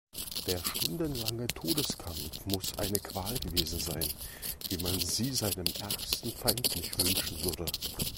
Der stundenlange Todeskampf muss eine Qual gewesen sein, wie man sie seinem ärgsten Feind nicht wünschen würde.